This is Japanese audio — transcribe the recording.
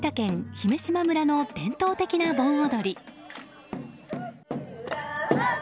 姫島村の伝統的な盆踊り。